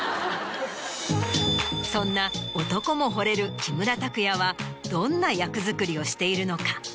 そんな男もほれる木村拓哉はどんな役作りをしているのか？